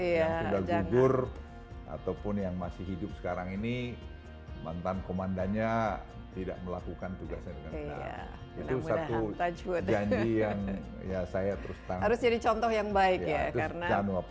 yang sudah gugur ataupun yang masih hidup sekarang ini mantan komandannya tidak melakukan tugasnya dengan benar